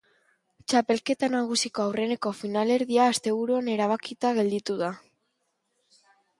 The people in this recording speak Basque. Txapelketa nagusiko aurreneko finalerdia asteburuan erabakita gelditu da.